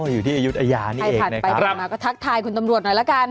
อ๋ออยู่ที่อายุทยานี่เองนะครับให้ผ่านไปก่อนมาก็ทักทายคุณตำรวจหน่อยละกัน